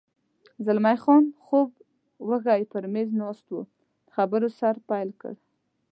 زلمی خان خوب وږی پر مېز ناست و، د خبرو سر پیل کړ.